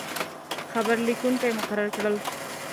خبر لیکونکي مقرر کړل.